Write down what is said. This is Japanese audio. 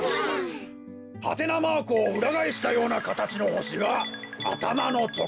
はてなマークをうらがえしたようなかたちのほしがあたまのところ。